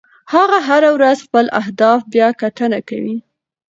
هغه هره ورځ خپل اهداف بیاکتنه کوي.